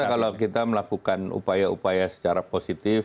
ya kalau kita melakukan upaya upaya secara positif